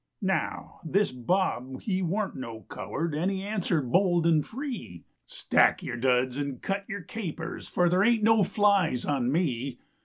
Now, this Bob he weren't no coward And he answered bold and free: "Stack your duds and cut your capers, For there ain't no flies on me."